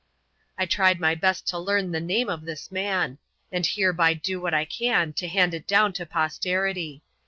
I tried my best to learn the name of this man : and hereby do what I can to hand it down to posterity.